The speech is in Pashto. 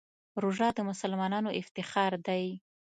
روژه د مسلمانانو افتخار دی.